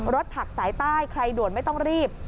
รถผักสายใต้ใครด่วนไม่ต้องรีบ